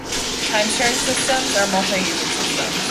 Time-sharing systems are multi-user systems.